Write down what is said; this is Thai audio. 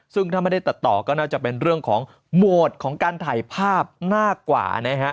ซึ่งถ้าไม่ได้ตัดต่อก็น่าจะเป็นเรื่องของโหมดของการถ่ายภาพมากกว่านะฮะ